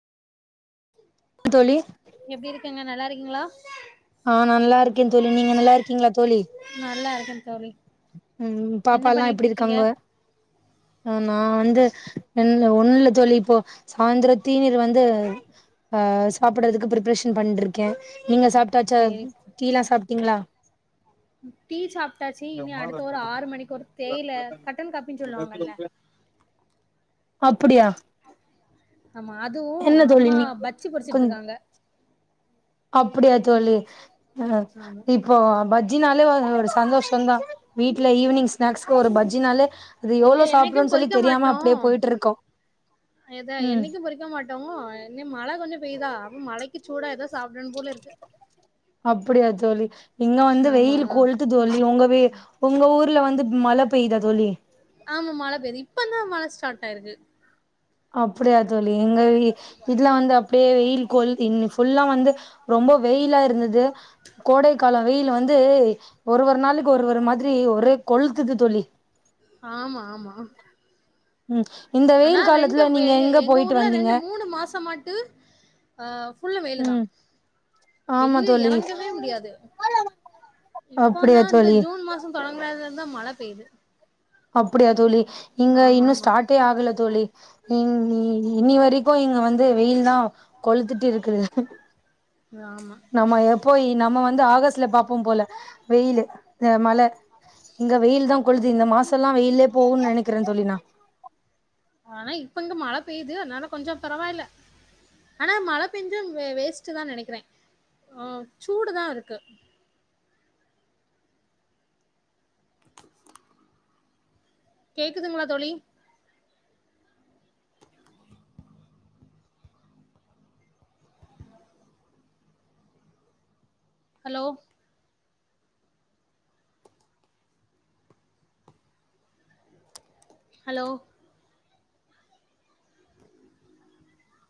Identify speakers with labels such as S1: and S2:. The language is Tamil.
S1: தோழி
S2: எப்டி இருக்கிங்க நல்லா இருக்கீங்களா
S1: ஆ நல்லா இருக்கே தோழி, நீங்க நல்லா இருக்கீங்ளா தோழி
S2: நல்லா இருக்க
S1: ம் பாப்பா எல்லா எப்டி
S2: இருக்கீங்க
S1: இருக்காங்க அ நா வந்து என் ஒண்ணுல தோழி இப்போ சாயந்தரம் தேநீர் வந்து அ சாப்பிட்றதுக்கு ப்ரிப்ரேஷன் பண்ட்ருக்கே நீங்க சாப்ட்டாச்சா
S2: சேரி
S1: டீ எல்லா சாப்ட்டீங்களா
S2: டீ சாப்ட்டாச்சு இனி அடுத்த ஒரு ஆறு மணிக்கு ஒரு தேயிலை கட்டன் காப்பின்னு சொல்லுவாங்கல்ல
S1: அப்படியா
S2: ஆமா அதுவு அம்மா பஜ்ஜி பொரிச்சுட்டு இருக்காங்க
S1: அப்படியா தோழி அ
S2: ஆமா
S1: இப்போ பஜ்ஜினாலே ஒரு சந்தோஷந்தா வீட்ல ஈவினிங் ஸ்நாக்ஸ்க்கு ஒரு பஜ்ஜினாலே அது
S2: இல்ல
S1: எவ்வளோ
S2: என்னைக்கும்
S1: சாப்புட்றோனு சொல்லி
S2: பொறிக்க
S1: தெரியாம அப்படியே போயிட்டு இருக்கு
S2: எதா என்னைக்கு பொரிக்க மாட்டோ இங்க மழை கொஞ்சோ பெய்யுதா மழைக்கு சூடா ஏதோ சாப்ட னு போல இருக்கு
S1: அப்படியா தோழி, இங்க வந்து
S2: ஆமா
S1: வெயில்
S2: ஆமா
S1: கொளுத்து தோழி உங்க வீ உங்க ஊர்ல வந்து மழை பெய்தா தோழி
S2: ஆமா மழை பெய்யுது இப்பதா மழை ஸ்டார்ட் ஆயிருக்கு
S1: அப்டியா தோழி இங்க இதெல்லா வந்து அப்படியே வெயில் கொளுத் தி இன்னைக்கி ஃபுல்லா வந்து ரொம்ப வெயிலா இருந்தது கோடைக்காலம் வெயில் வந்து ஒரு ஒரு நாளுக்கு ஒரு ஒரு மாதிரி ஒரே கொளுத்துது தோழி
S2: ஆமா ஆமா
S1: ம் இந்த
S2: ஆனா
S1: வெயில் காலத்துல
S2: ரெண்டும்
S1: நீங்க
S2: எங்க எங்க
S1: போயிட்டு
S2: ஊர்ல
S1: வந்தீங்க
S2: ரெண்டு மூணு மாசமாட்டு ஆ ஃபுல்லும் வெயில் தா
S1: ம் ஆமா
S2: வெளிய
S1: தோழி
S2: இறங்கவே முடியாது இப்போதா
S1: அப்படியா
S2: இந்த
S1: தோழி
S2: ஜூன் மாச ம் தொடங்கனதுல இருந்துதா மழ பெய்து
S1: அப்படியா தோழி இங்க
S2: ஆமா
S1: இன்னு
S2: ஆமா
S1: ஸ்டார்டே ஆகல தோழி ம் இன்னி வரை க்கு இங்க வந்து வெயில்தா கொளுத்துட்டு இருக்குது
S2: ஆமா
S1: நம்ம எப்போ நம்ம வந்து ஆகஸ்ட்ல பாப்போம் போல வெயிலு இந்த மழை இங்க வெயில் தா கொளுத்து இந்த மாசம் எல்லா வெயில்லே போகும்ன்னு நெனைக்கிறே தோழி நா
S2: ஆனா இப்ப இங்க மழை பெய்யுது அதனால கொஞ்சோ பரவாயில்ல ஆனா மழை பெஞ்சும் வே வேஸ்ட்டுதா நெனைக்கிறே ஆ சூடுதான் இருக்கு கேக்குதுங்களா தோழி ஹலோ ஹலோ